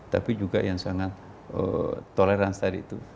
tapi juga yang sangat toleransi tadi itu